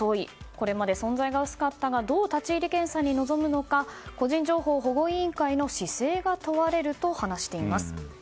これまで存在が薄かったがどう立ち入り検査に臨むのか個人情報保護委員会の姿勢が問われると話しています。